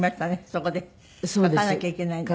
そこで書かなきゃいけないんだから。